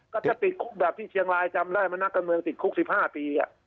ก็จะติดคุกแบบที่เชียงรายจำได้มันนักการเมืองติดคุก๑๕ปี